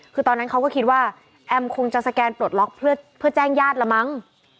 คือตอนนั้นเขาก็คิดว่าแอมคงจะสแกนปลดล็อกเพื่อแจ้งญาติละมั้ง